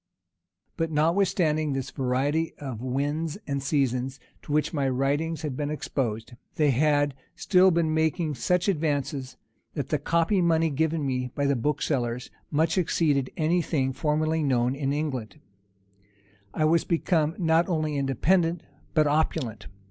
But, notwithstanding this variety of winds and seasons, to which my writings had been exposed, they had still been making such advances, that the copy money given me by the booksellers much exceeded any thing formerly known in England; I was become not only independent, but opulent.